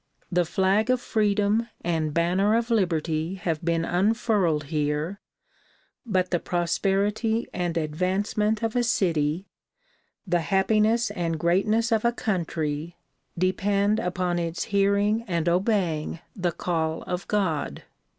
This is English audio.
The flag of freedom and banner of liberty have been unfurled here but the prosperity and advancement of a city, the happiness and greatness of a country depend upon its hearing and obeying the call of God.